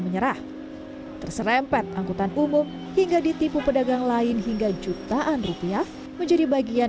menyerah terserempet angkutan umum hingga ditipu pedagang lain hingga jutaan rupiah menjadi bagian